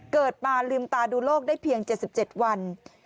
เกิดมาลืมตาดูโลกได้เพียง๗๗วัน